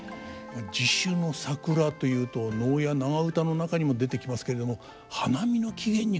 地主の桜というと能や長唄の中にも出てきますけれども花見の起源に関わっていたんですか。